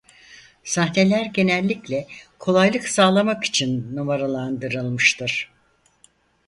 Sahneler genellikle kolaylık sağlamak için numaralandırılmıştır.